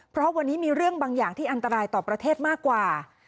เพราะวันนี้มีเรื่องบางอย่างที่อันตรายต่อประเทศมากกว่า